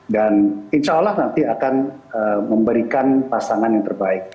dan insya allah nanti akan memberikan pasangan yang terbaik